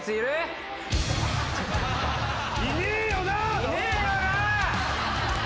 「いねえよな！」